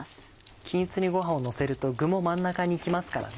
均一にご飯をのせると具も真ん中に来ますからね。